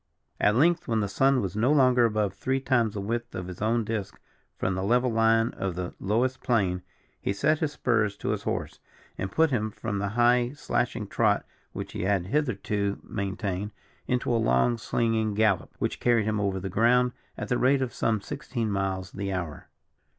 At length, when the sun was no longer above three times the width of his own disc from the level line of the lowest plain, he set his spurs to his horse, and put him from the high slashing trot which he had hitherto maintained, into a long slinging gallop, which carried him over the ground at the rate of some sixteen miles the hour.